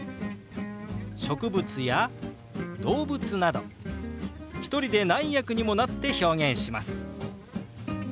植物や動物など１人で何役にもなって表現します。